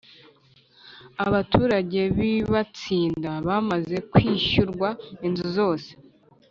abaturage b i Batsinda bamaze kwishyurwa inzu zose